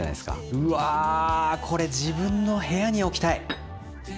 うわこれ自分の部屋に置きたい。